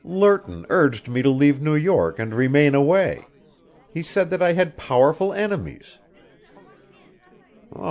"Lerton urged me to leave New York and remain away. He said that I had powerful enemies."